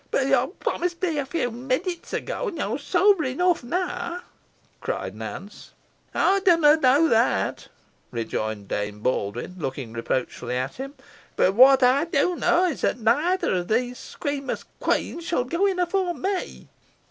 "Boh yo promised me a few minutes ago, an yo're sober enough now," cried Nance. "Ey dunna knoa that," rejoined Dame Baldwyn, looking reproachfully at him. "Boh what ey dun knoa is, that nother o' these squemous queans shan ge in efore me."